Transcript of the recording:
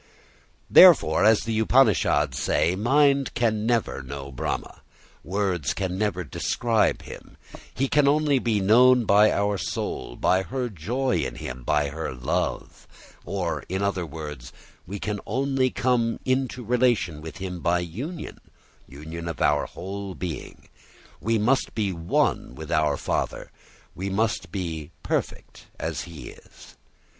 Therefore, as the Upanishads say, mind can never know Brahma, words can never describe him; he can only be known by our soul, by her joy in him, by her love. Or, in other words, we can only come into relation with him by union union of our whole being. We must be one with our Father, we must be perfect as he is.